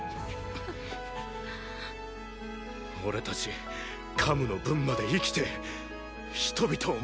俺たちカムの分まで生きて人々を守るんだ！